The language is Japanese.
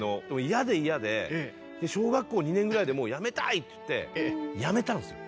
嫌で嫌で小学校２年ぐらいでもうやめたい！って言ってやめたんすよ。